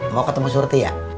mau ketemu surti ya